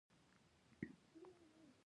په ویلز کې دا پروسه له لږې شخړې سره مل وه.